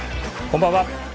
こんばんは。